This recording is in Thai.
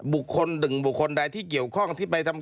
บุคคลดึงบุคคลใดที่เกี่ยวข้อง